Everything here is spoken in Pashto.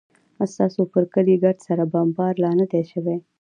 ستاسو پر کلي ګرد سره بمبارد لا نه دى سوى.